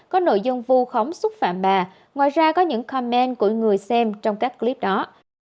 có nội dung vu khống xúc phạm bà ngoài ra có những comman của người xem trong các clip đó